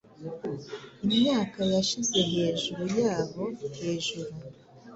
Imyaka yashize hejuru yabo hejuru